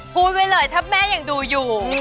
พูดไว้เลยถ้าแม่ยังดูอยู่